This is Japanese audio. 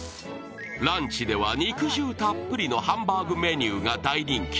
ランチでは肉汁たっぷりのハンバーグメニューが大人気。